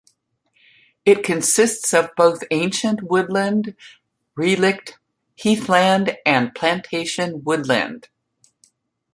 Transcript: It consists of both ancient woodland, relict heathland and plantation woodland.